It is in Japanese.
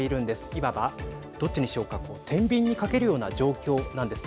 今は、どっちにしようかてんびんにかけるような状況なんです。